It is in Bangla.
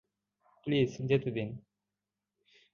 প্লিজ, যেতে দিন।